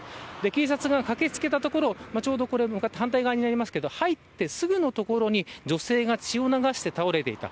警察が駆けつけたところ反対側ですが、入ってすぐの所に女性が血を流して倒れていた。